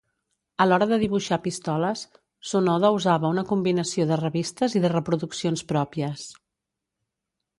A l'hora de dibuixar pistoles, Sonoda usava una combinació de revistes i de reproduccions pròpies.